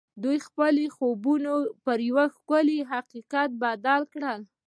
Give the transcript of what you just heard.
دوی خپل خوبونه پر یو ښکلي حقیقت بدل کړل